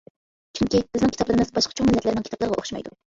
چۈنكى، بىزنىڭ كىتابلىرىمىز باشقا چوڭ مىللەتلەرنىڭ كىتابلىرىغا ئوخشىمايدۇ.